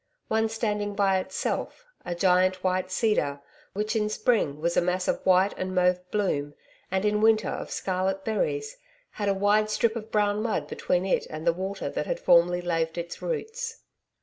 One standing by itself, a giant white cedar, which in spring was a mass of white and mauve bloom and in winter of scarlet berries, had a wide strip of brown mud between it and the water that had formerly laved its roots.